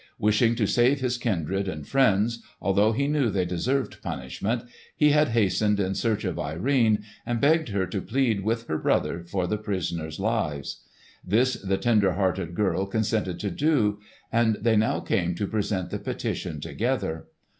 Wishing to save his kindred and friends, although he knew they deserved punishment, he had hastened in search of Irene and begged her to plead with her brother for the prisoners' lives. This the tender hearted girl consented to do; and they now came to present the petition together.